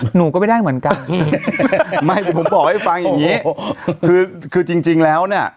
หนูก็ไม่ได้เหมือนกันพี่ไม่เดี๋ยวผมบอกให้ฟังอย่างงี้คือคือจริงจริงแล้วเนี่ย